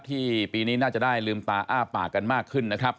ปีนี้น่าจะได้ลืมตาอ้าปากกันมากขึ้นนะครับ